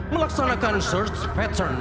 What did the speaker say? melaksanakan search pattern